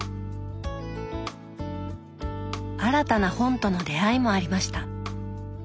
新たな本との出会いもありました。